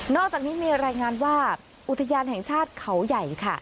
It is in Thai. อกจากนี้มีรายงานว่าอุทยานแห่งชาติเขาใหญ่ค่ะ